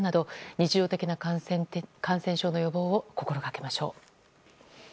日常的な感染症の予防を心がけましょう。